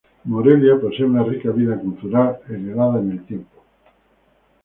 Morelia posee una rica vida cultural heredada en el tiempo.